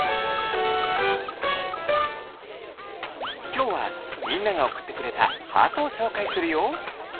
きょうはみんながおくってくれたハートをしょうかいするよ。